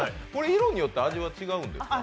色によって味が違うんですか？